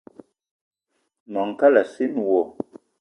Gnong kalassina wo.